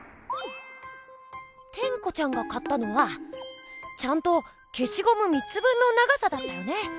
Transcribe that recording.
テンコちゃんが買ったのはちゃんとけしごむ３つ分の長さだったよね。